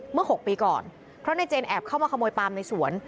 เมื่อ๖ปีก่อนเพราะในเจนแอบเข้ามาขโมยปามในสวน